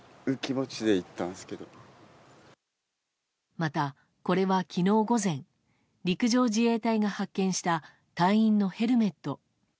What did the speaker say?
また、これは昨日午前陸上自衛隊が発見した隊員のヘルメット。